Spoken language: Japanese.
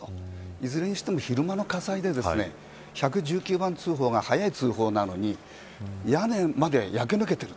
いずれにしても昼間の火災で１１９番通報が早い通報なのに屋根まで焼け抜けている。